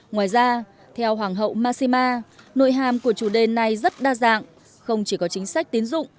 ngoài ra theo hoàng hậu mashima nội hàm của chủ đề này rất đa dạng không chỉ có chính sách tín dụng